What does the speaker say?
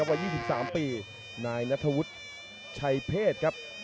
วัย๒๓ปีนายนัทวุฒิชัยเพศครับ